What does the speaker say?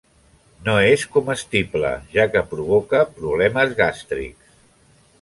No és comestible, ja que provoca problemes gàstrics.